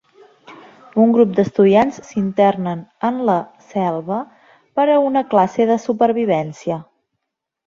Un grup d'estudiants s'internen en la selva per a una classe de supervivència.